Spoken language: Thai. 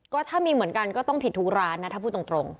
ก็ถ้ามีเหมือนกันก็ต้องผิดทุกร้านนะถ้าพูดตรง